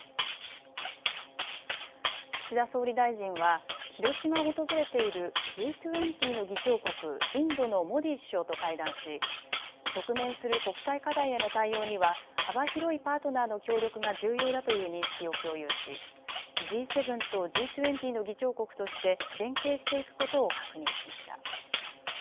岸田総理大臣は広島を訪れているＧ２０の議長国、インドのモディ首相と会談し直面する国際課題への対応には幅広いパートナーの協力が重要だという認識を共有しＧ７とＧ２０の議長国として連携していくことを確認しました。